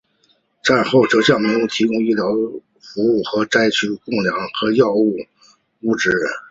战后则向民众提供医疗服务和向灾民提供粮食和药物等物资。